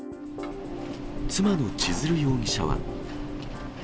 妻の千鶴容疑者は。